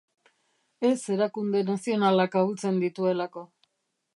Ez erakunde nazionalak ahultzen dituelako.